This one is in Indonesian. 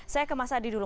saya ke mas adi dulu